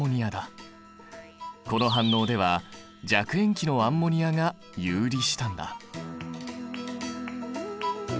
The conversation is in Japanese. この反応では弱塩基のアンモニアが遊離したんだ。